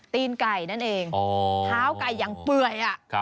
ตีนไก่นั่นเองท้าวกลายอย่างเปื่อยอ่ะ